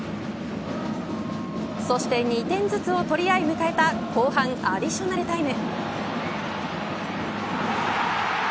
そして２点ずつを取り合い迎えた後半アディショナルタイム。